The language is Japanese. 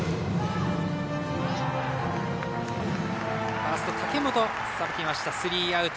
ファーストの武本さばいてスリーアウト。